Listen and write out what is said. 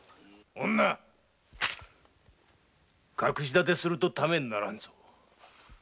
女隠しだてをするとためにならんぞ。